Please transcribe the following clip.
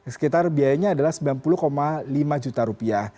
sekitar biayanya adalah rp sembilan puluh lima juta